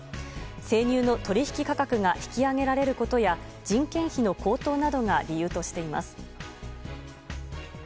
生乳の取引価格が引き上げられることや人件費の高騰などが理由としています。